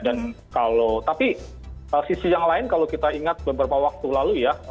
dan kalau tapi sisi yang lain kalau kita ingat beberapa waktu lalu ya